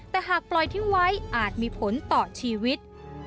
แต่หากปล่อยทิ้งไว้อาจมีผลต่อชีวิต